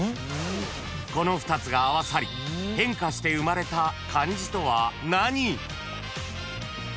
［この２つが合わさり変化して生まれた漢字とは何？］